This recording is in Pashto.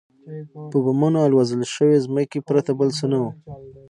په بمانو الوزول شوې ځمکې پرته بل څه نه وو.